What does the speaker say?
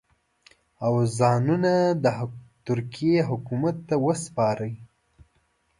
او ځانونه د ترکیې حکومت ته وسپاري.